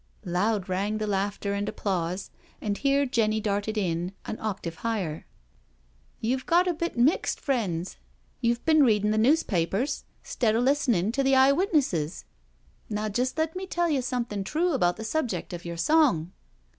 •.. Loud rang the laughter and applause, and here Jenny darted in, an octave higher :" You've got a bit mixed, friends, you've been readin* the newspapers 'stead of listening to the eye witnesses » K 130 NO SURRENDER Now just let me tell you something true about the subject of your song.'